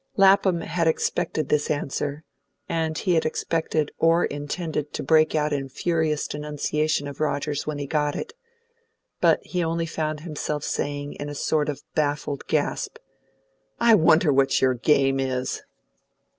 Lapham had expected this answer, and he had expected or intended to break out in furious denunciation of Rogers when he got it; but he only found himself saying, in a sort of baffled gasp, "I wonder what your game is!"